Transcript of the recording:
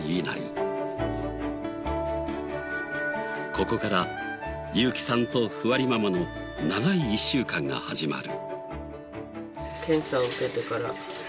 ここからユーキさんとふわりママの長い１週間が始まる。